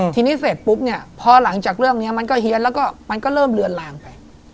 ทีนี้เสร็จปุ๊บเนี่ยพอหลังจากเรื่องนี้มันก็เฮียนแล้วก็มันก็เริ่มเลือนลางไป